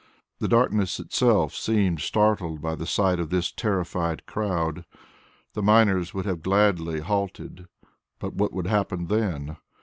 The darkness itself seemed startled by the sight of this terrified crowd. The miners would have gladly halted, but what would happen then?